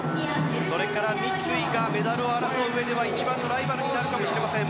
それから三井がメダルを争ううえでは一番のライバルになるかもしれません。